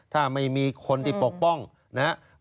ถ้าไม่มีคนที่ปกป้องนะครับ